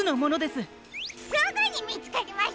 すぐにみつかりましたね。